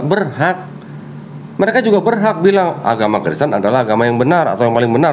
berhak mereka juga berhak bilang agama kristen adalah agama yang benar atau yang paling benar